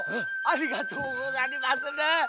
ありがとうござりまする。